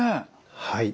はい。